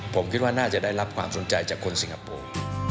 ผมคิดว่าน่าจะได้รับความสนใจจากคนสิงคโปร์